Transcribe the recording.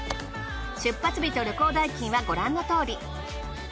出発日と旅行代金はご覧のとおり。